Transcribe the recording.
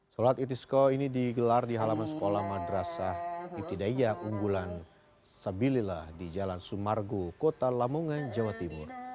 sholat itisko ini digelar di halaman sekolah madrasah ibtidaiyah unggulan sabilillah di jalan sumargo kota lamongan jawa timur